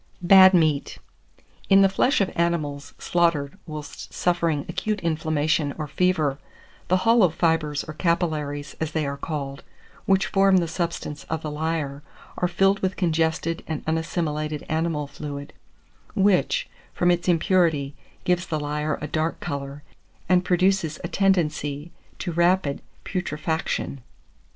BAD MEAT. In the flesh of animals slaughtered whilst suffering acute inflammation or fever, the hollow fibres, or capillaries, as they are called, which form the substance of the lyer, are filled with congested and unassimilated animal fluid, which, from its impurity, gives the lyer a dark colour, and produces a tendency to rapid putrefaction.